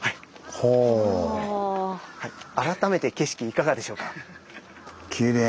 改めて景色いかがでしょうか？